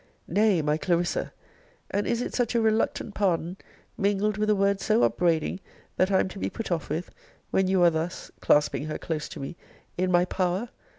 Nay, my Clarissa! and is it such a reluctant pardon, mingled with a word so upbraiding, that I am to be put off with, when you are thus (clasping her close to me) in my power?